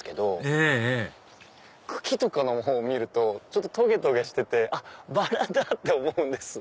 ええええ茎とかを見るとトゲトゲしててあっバラだ！って思うんです。